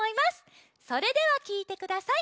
それではきいてください。